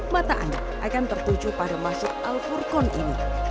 mata angin akan tertuju pada masjid al furqon ini